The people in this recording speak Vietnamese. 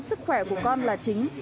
sức khỏe của con là chính